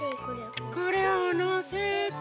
これをのせて。